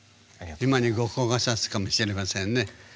今に後光がさすかもしれませんね。